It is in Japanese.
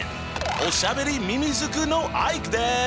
おしゃべりミミズクのアイクです！